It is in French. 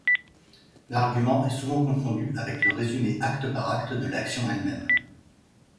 L'argument est souvent confondu avec le résumé acte par acte de l'action elle-même.